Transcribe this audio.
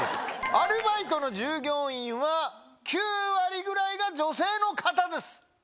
アルバイトの従業員は９割ぐらいが女性の方です。